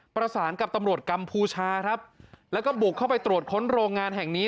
ประสานกับตำรวจกัมพูชาครับแล้วก็บุกเข้าไปตรวจค้นโรงงานแห่งนี้